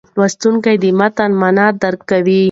لوستونکی د متن معنا درک کوي.